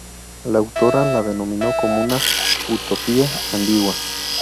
La autora la denominó como "una utopía ambigua".